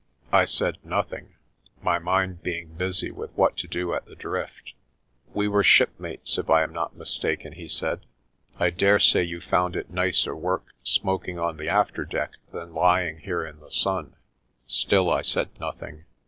I said nothing, my mind being busy with what to do at the Drift. "We were shipmates, if I am not mistaken," he said. "I dare say you found it nicer work smoking on the afterdeck than lying here in the sun." Still I said nothing.